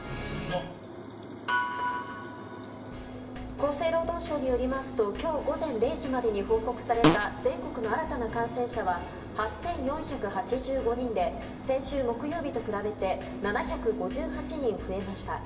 厚生労働省によりますと今日午前０時までに報告された全国の新たな感染者は８４８５人で先週木曜日と比べて７５８人増えました。